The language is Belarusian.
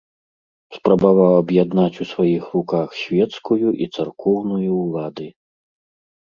Спрабаваў аб'яднаць у сваіх руках свецкую і царкоўную ўлады.